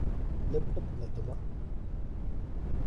ލެޕްޓޮޕް ގަތުމަށް.